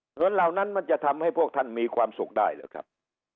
เหล่านั้นมันจะทำให้พวกท่านมีความสุขได้หรือครับ